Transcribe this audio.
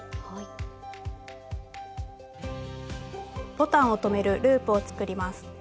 ボタンを留めるループを作ります。